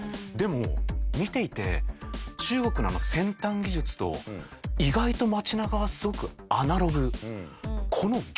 でも見ていて中国のあの先端技術と意外と街中がすごくアナログ。